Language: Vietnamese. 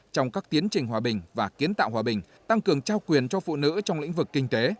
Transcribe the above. trong các tiến trình hòa bình và kiến tạo hòa bình tăng cường trao quyền cho phụ nữ trong lĩnh vực kinh tế